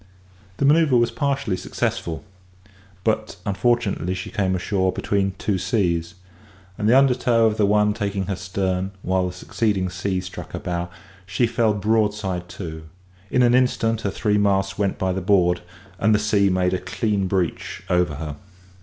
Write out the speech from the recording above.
The manoeuvre was partially successful; but unfortunately she came ashore between two seas; and the undertow of the one taking her stern, whilst the succeeding sea struck her bow, she fell broadside to in an instant, her three masts went by the board, and the sea made a clean breach over her.